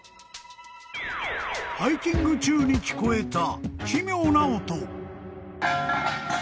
［ハイキング中に聞こえた］・・